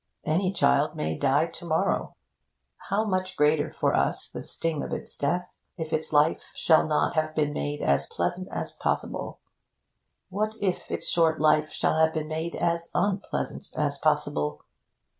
Any child may die to morrow. How much greater for us the sting of its death if its life shall not have been made as pleasant as possible! What if its short life shall have been made as unpleasant as possible?